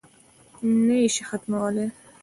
نه یې شي ختمولای.